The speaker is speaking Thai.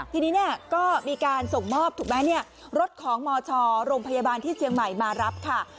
ทีนี้ก็มีการส่งมอบรถของมชโรงพยาบาลที่เชียงใหม่มารับค่ะ